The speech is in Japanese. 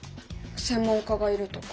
専門家がいるとか？